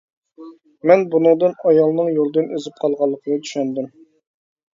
مەن بۇنىڭدىن ئايالنىڭ يولدىن ئېزىپ قالغانلىقىنى چۈشەندىم.